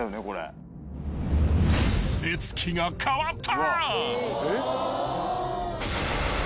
［目つきが変わった］